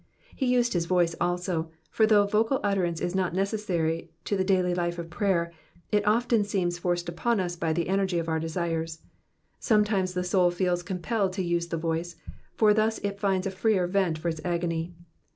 He used his voice also, for though vocal utter ance is not necessary to the life of prayer, it often seems forced upon us by the energy of our desires. Sometimes the soul feels compelled to use the voice, for thus it finds a freer vent for its agony.